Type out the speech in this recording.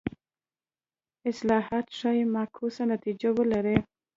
اصلاحات ښايي معکوسه نتیجه ولري.